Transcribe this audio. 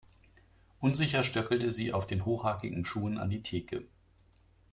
Unsicher stöckelte sie auf den hochhackigen Schuhen an die Theke.